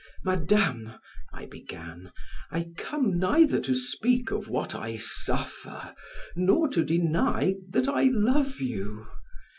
"Madame," I began, "I come neither to speak of what I suffer, nor to deny that I love you.